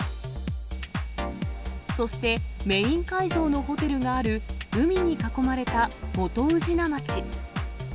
そして、メイン会場のホテルがある、海に囲まれた元宇品町。